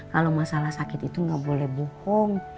kalau masalah sakit itu nggak boleh bohong